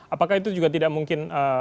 apakah itu juga tidak mungkin